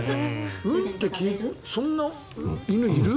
うんってそんな犬いる？